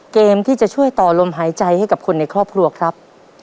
เกมที่จะช่วยต่อลมหายใจให้กับคนในครอบครัวครับ